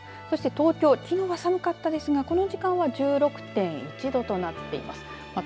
そして、東京きのうは寒かったですがこの時間は１６．１度となっています。